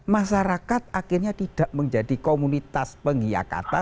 masyarakat akhirnya tidak menjadi komunitas penghia kata